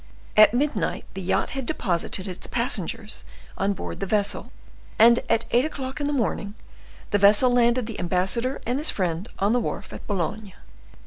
At midnight the yacht had deposited its passengers on board the vessel, and at eight o'clock in the morning, the vessel landed the ambassador and his friend on the wharf at Boulogne.